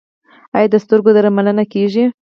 آیا د سترګو درملنه کیږي؟